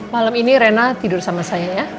malam ini rena tidur sama saya ya